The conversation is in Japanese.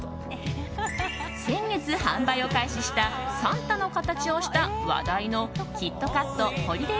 先月、販売を開始したサンタの形をした話題のキットカットホリデイ